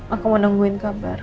aku mau nungguin kabar